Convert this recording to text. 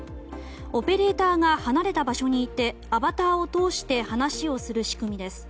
オペレーターが離れた場所にいてアバターを通して話をする仕組みです。